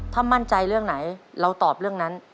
ถ้ามั่นใจเรื่องไหนเราตอบเรื่องนั้น